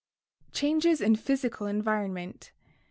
Changes in Physical Environment.